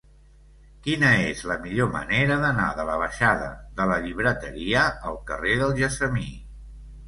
Quina és la millor manera d'anar de la baixada de la Llibreteria al carrer del Gessamí?